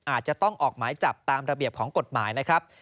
อาจจะต้องออกหมายจับตามระเบียบของกฎหมายนะครับ